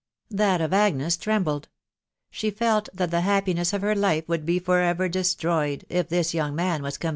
That of Agnes trembled. She felt that the happiness of her life would he for ever destroyed if this "yo\m^ xaaxL ^^ <sssaa.